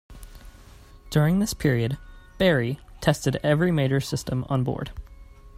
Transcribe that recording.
During this period, "Barry" tested every major system on board.